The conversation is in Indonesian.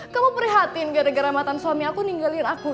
kamu prihatin gara gara mantan suami aku ninggalin aku